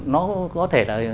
nó có thể là